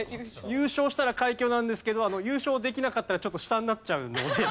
優勝したら快挙なんですけど優勝できなかったらちょっと下になっちゃうので。